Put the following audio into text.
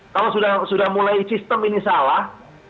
kalau sudah mulai sistem ini salah